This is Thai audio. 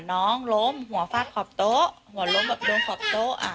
น้องล้มหัวฟาดขอบโต๊ะหัวล้มแบบโดนขอบโต๊ะอ่ะ